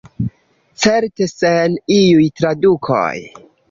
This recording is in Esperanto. Certe sen iuj tradukoj.